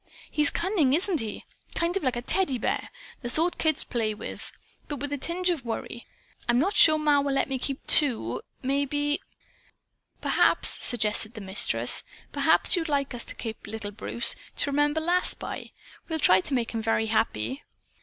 "He's cunning, isn't he? Kind of like a Teddy Bear, the sort kids play with. But," with a tinge of worry, "I'm not sure Ma will let me keep two. Maybe " "Perhaps," suggested the Mistress, "perhaps you'd like us to keep little Bruce, to remember Lass by? We'll try to make him very happy."